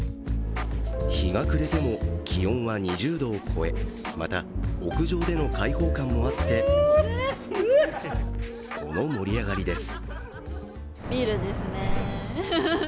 日が暮れても気温は２０度を超え、また、屋上での開放感もあってこの盛り上がりです。